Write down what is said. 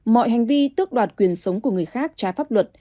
mọi hành vi tước đoạt quyền sống của người khác trái pháp luật